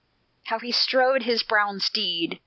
How he strode his brown steed!